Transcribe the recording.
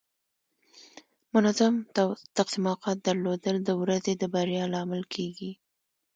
منظم تقسیم اوقات درلودل د ورځې د بریا لامل کیږي.